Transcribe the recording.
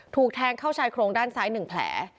ถูกแทงเข้าชายโครงด้านซ้าย๑แผล